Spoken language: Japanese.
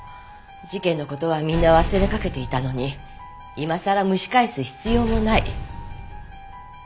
事件の事はみんな忘れかけていたのに今さら蒸し返す必要もない。